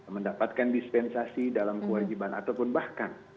mendapatkan dispensasi dalam kewajiban ataupun bahkan